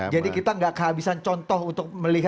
jadi kita tidak kehabisan contoh untuk melihat